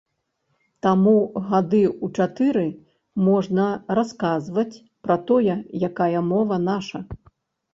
Таму гады ў чатыры можна расказваць пра тое, якая мова наша.